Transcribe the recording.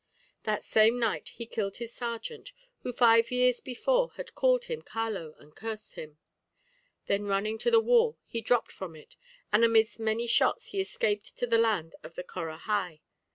That same night he killed his sergeant, who five years before had called him Caló and cursed him; then running to the wall he dropped from it, and amidst many shots he escaped to the land of the Corahai.